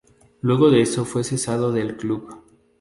Luego de eso fue cesado del club.